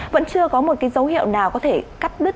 vẫn chưa có một cái dấu hiệu nào có thể cắt đứt